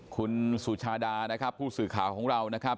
คุณสุชาดานะครับผู้สื่อข่าวของเรานะครับ